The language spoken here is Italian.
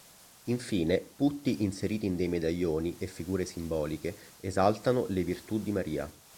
Infine, putti inseriti in dei medaglioni e figure simboliche esaltano le "Virtù" di Maria.